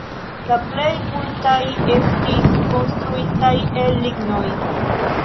La plej multaj estis konstruitaj el lignoj.